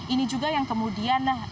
ini juga yang kemudian